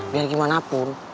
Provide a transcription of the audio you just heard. biar gimana pun